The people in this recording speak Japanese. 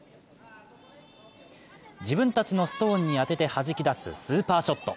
自分たちのストーンに当てて弾き出すスーパーショット。